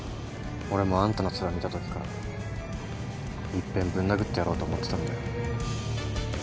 俺もあんたのツラ見たときから一遍ぶん殴ってやろうと思ってたんだよ。